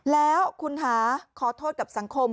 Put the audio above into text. แล้วคุณคะขอโทษกับสังคม